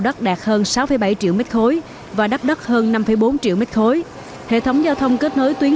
đất đạt hơn sáu bảy triệu m ba và đắp đất hơn năm bốn triệu m ba hệ thống giao thông kết nối tuyến